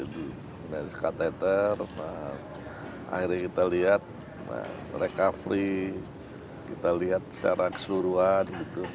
dari katheter akhirnya kita lihat recovery kita lihat secara kesuruhan